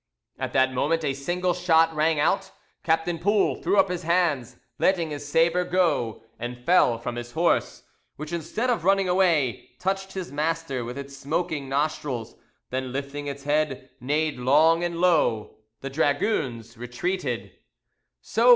At that moment a single shot rang out, Captain Poul threw up his hands, letting his sabre go, and fell from his horse, which instead of running away, touched his master with its smoking nostrils, then lifting its head, neighed long and low. The dragoons retreated.